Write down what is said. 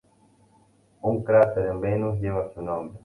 Un cráter en Venus lleva su nombre.